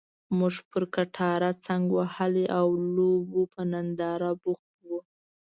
موږ پر کټاره څنګ وهلي او لوبو په ننداره بوخت وو.